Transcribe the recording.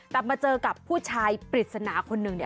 แต่มาเจอกับผู้ชายปริศนาคนหนึ่ง